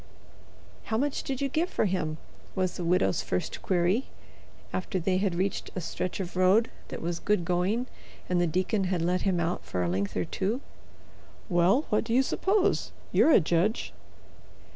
"How much did you give for him?" was the widow's first query, after they had reached a stretch of road that was good going and the deacon had let him out for a length or two. "Well, what do you suppose? You're a judge."